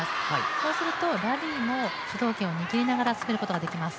そうすると、ラリーも主導権を握りながら進めることができます。